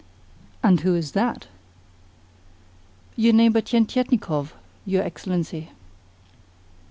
"And who is that?" "Your neighbour Tientietnikov, your Excellency."